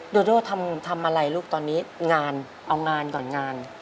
ลูกตัวนี่แต่งานเอางานก่อนงาน